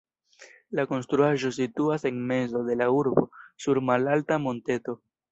La konstruaĵo situas en mezo de la urbo sur malalta monteto.